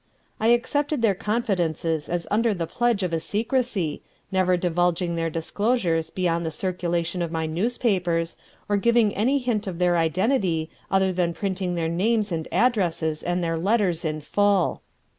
I accepted their confidences as under the pledge of a secrecy, never divulging their disclosures beyond the circulation of my newspapers, or giving any hint of their identity other than printing their names and addresses and their letters in full.